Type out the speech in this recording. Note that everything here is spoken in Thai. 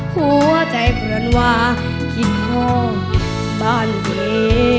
หัวใจเพื่อนว่าคิดพอบ้านเย้